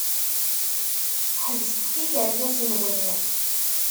Ḥebset tikerkas-nwen!